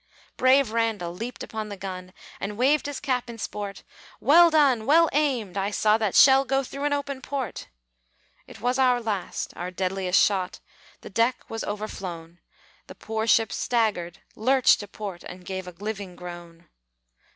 Brave Randall leaped upon the gun, And waved his cap in sport; "Well done! well aimed! I saw that shell Go through an open port." It was our last, our deadliest shot; The deck was overflown; The poor ship staggered, lurched to port, And gave a living groan.